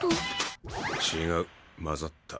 違う混ざった。